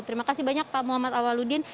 terima kasih banyak pak muhammad awaludin